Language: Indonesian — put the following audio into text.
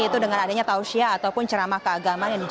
itu dengan adanya tausya ataupun ceramah keagaman